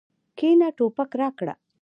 کېنه ټوپک راکړه.